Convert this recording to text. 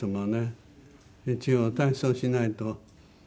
一応体操しないと。